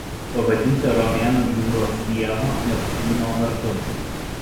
Pavadinta romėnų jūros dievo Neptūno vardu.